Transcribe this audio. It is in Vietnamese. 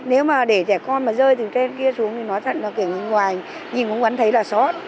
nếu mà để trẻ con mà rơi từ trên kia xuống thì nó thật là kiểu ngoài nhìn cũng vẫn thấy là xót